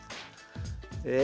え？